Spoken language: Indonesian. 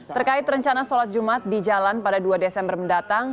terkait rencana sholat jumat di jalan pada dua desember mendatang